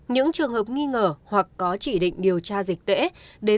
những trường hợp nghi ngờ hoặc có chỉ định điều tra dịch tễ